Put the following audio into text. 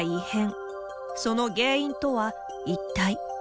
その原因とは一体。